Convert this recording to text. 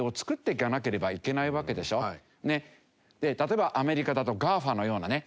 で例えばアメリカだとＧＡＦＡのようなね。